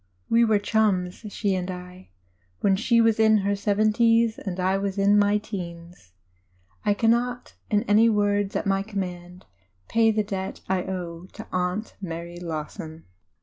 We were "chums," she and I, when she was in the seventies and I was in my teens. I cannot, in any words at my command, pay the debt I owe to Aunt Mary Lawson.